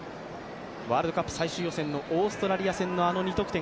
ワールドカップ最終予選のオーストラリア戦のあの２得点。